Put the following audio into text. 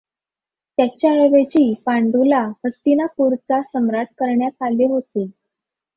त्याच्याऐवजी पांडूला हस्तिनापूरचा सम्राट करण्यात आले होते.